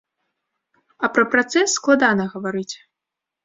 А пра працэс складана гаварыць.